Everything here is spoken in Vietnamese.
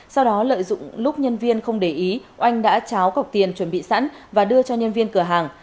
sau đó lợi dụng lúc nhân viên không để ý oanh đã cháo cọc tiền chuẩn bị sẵn và đưa cho nhân viên cửa hàng